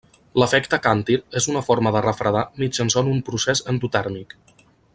L'efecte càntir és una forma de refredar mitjançant un procés endotèrmic.